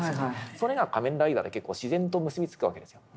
それが「仮面ライダー」で自然と結び付くわけですよ。